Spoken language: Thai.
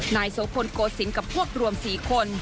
นายโสพลโกศิลป์กับพวกรวม๔คน